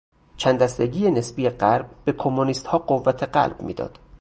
چند دستگی نسبی غرب به کمونیستها قوت قلب میداد.